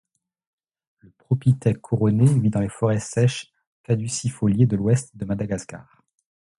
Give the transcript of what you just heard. Le Propithèque couronné vit dans les forêts sèches caducifoliées de l'Ouest de Madagascar.